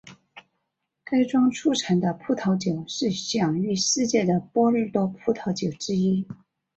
该庄出产的葡萄酒是享誉世界的波尔多葡萄酒之一。